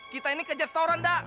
kita ini kejet storan da